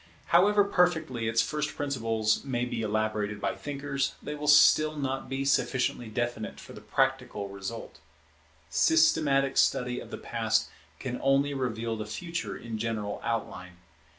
However perfectly its first principles may be elaborated by thinkers, they will still be not sufficiently definite for the practical result. Systematic study of the Past can only reveal the Future in general outline.